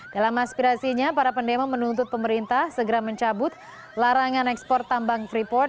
dalam aspirasinya para pendemo menuntut pemerintah segera mencabut larangan ekspor tambang freeport